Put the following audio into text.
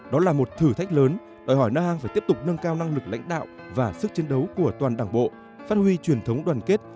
đó là một thử thách lớn đòi hỏi nang phải tiếp tục nâng cao năng lực lãnh đạo và sức chiến đấu của toàn đảng bộ phát huy truyền thống đoàn kết